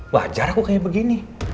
wajar aku kayak begini